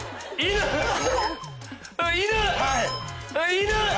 犬。